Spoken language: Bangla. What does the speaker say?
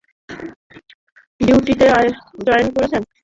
ডিউটিতে জয়েন করেছেন?